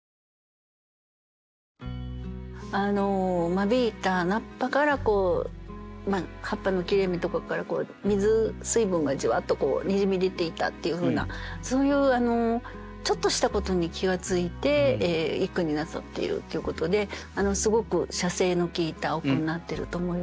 間引いた菜っ葉から葉っぱの切れ目とかから水分がじわっとにじみ出ていたっていうふうなそういうちょっとしたことに気が付いて一句になさっているということですごく写生の効いたお句になってると思います。